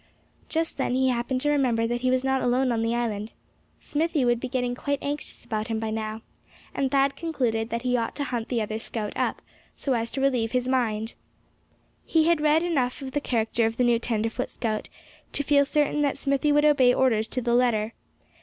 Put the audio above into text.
Just then he happened to remember that he was not alone on the island. Smithy would be getting quite anxious about him by now; and Thad concluded that he ought to hunt the other scout up, so as to relieve his mind. He had read enough of the character of the new tenderfoot scout to feel certain that Smithy would obey orders to the letter.